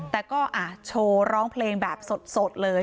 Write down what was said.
แต่ก็โชว์ร้องเพลงแบบสดเลย